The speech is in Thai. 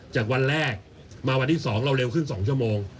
จากวันแรกมาวันที่๒เราเร็วขึ้น๒ชั่วโมง